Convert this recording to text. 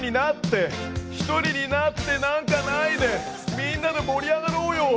１人になってなんかいないでみんなで盛り上がろうよ！